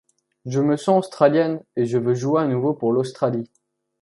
Je me sens Australienne et je veux jouer à nouveau pour l'Australie.